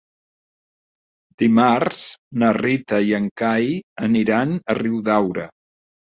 Dimarts na Rita i en Cai aniran a Riudaura.